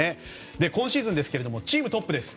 今シーズンですがチームトップです。